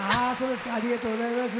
ありがとうございます。